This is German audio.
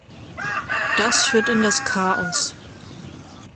Das führt in das Chaos.